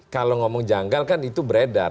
kalau ngomong janggal kan itu beredar